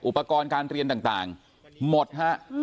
อุปกรณ์การเรียนต่างหมดฮะ